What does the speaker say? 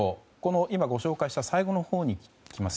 今ご紹介した最後のほうにきます